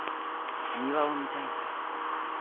庭を見たいんだよ。